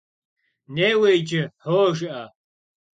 Неуэ иджы, «хьо» жыӀэ.